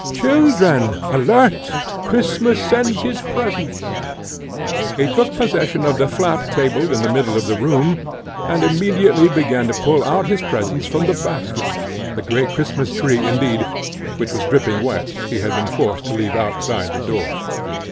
Children! Alert! Christmas sends his presents" he took possession of the flap table in the middle of the room, and immediately began to pull out his presents from the basket; the great Christmas tree, indeed, which was dripping wet, he had been forced to leave outside the door.